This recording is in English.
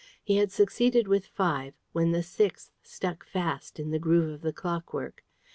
He had succeeded with five, when the sixth stuck fast in the groove of the clockwork.